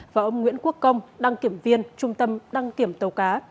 và ông nguyễn quốc công đăng kiểm viên trung tâm đăng kiểm tàu cá